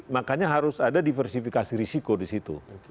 makanya harus ada diversifikasi risiko di situ